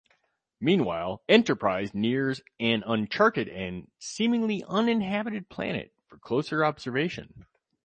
Meanwhile, "Enterprise" nears an uncharted and seemingly uninhabited planet for closer observation.